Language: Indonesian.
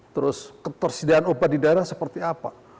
terus ketersediaan obat di daerah seperti apa